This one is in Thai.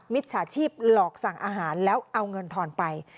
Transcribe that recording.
จฉาชีพหลอกสั่งอาหารแล้วเอาเงินทอนไป